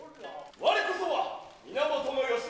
我こそは源義仲。